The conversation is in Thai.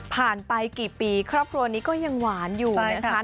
ไปกี่ปีครอบครัวนี้ก็ยังหวานอยู่นะคะ